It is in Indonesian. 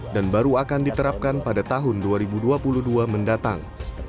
dan baru akan diterapkan pada tahun dua ribu dua puluh dua mendatang